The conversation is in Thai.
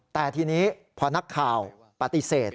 แต่ทีนี้พอนักข่าวปฏิเสธ